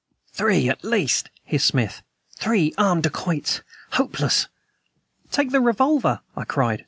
"Three, at least," hissed Smith; "three armed dacoits. Hopeless." "Take the revolver," I cried.